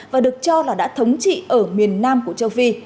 và được cho là đã thống trị ở miền nam của châu phi